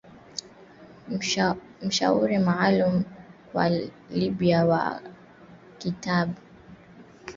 mshauri maalum kwa Libya wa katibu mkuu wa Umoja wa Mataifa